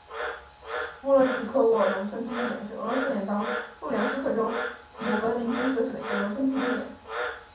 莫洛季科沃农村居民点是俄罗斯联邦布良斯克州姆格林区所属的一个农村居民点。